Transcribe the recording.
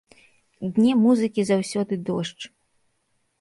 Дне музыкі заўсёды дождж.